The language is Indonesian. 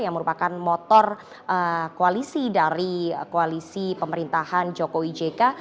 yang merupakan motor koalisi dari koalisi pemerintahan jokowi jk